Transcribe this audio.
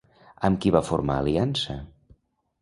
Amb qui va formar aliança?